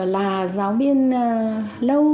là giáo viên lâu